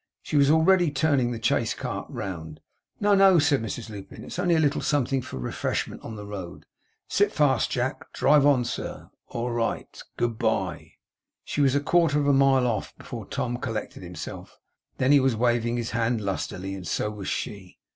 She was already turning the chaise cart round. 'No, no,' said Mrs Lupin. 'It's only a little something for refreshment on the road. Sit fast, Jack. Drive on, sir. All right! Good bye!' She was a quarter of a mile off, before Tom collected himself; and then he was waving his hand lustily; and so was she.